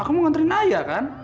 aku mau ngantriin ayah kan